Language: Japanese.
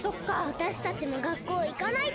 わたしたちもがっこういかないと。